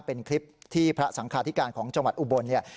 เป็นคลิปที่พระสังคาธิการของจังหวัดอุบลเนี่ย